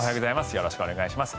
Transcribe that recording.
よろしくお願いします。